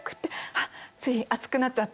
あっつい熱くなっちゃった。